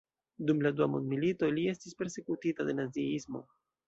Dum la Dua Mondmilito, li estis persekutita de Naziismo.